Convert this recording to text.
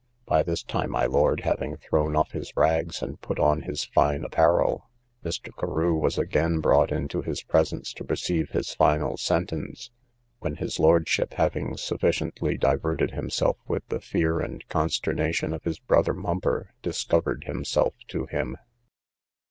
By this time my lord having thrown off his rags, and put on his fine apparel, Mr. Carew was again brought into his presence to receive his final sentence; when his lordship, having sufficiently diverted himself with the fear and consternation of his brother mumper discovered himself to him.